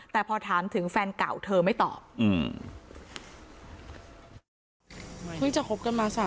แต่พอถามถึงแฟนเก่าเธอไม่ตอบอืม